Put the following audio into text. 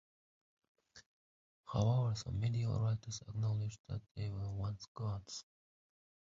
However, some medieval writers acknowledged that they were once gods.